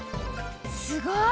すごい！